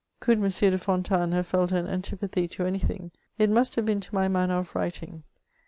Could M. de Fontanes have felt an antipathy to any thing, it must have been to my manner of writing.